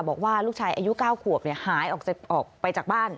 บอกว่าลูกชายอายุ๙ขวบหายออกไปจากบ้าน